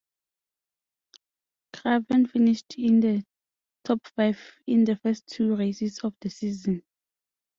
Craven finished in the top-five in the first two races of the season.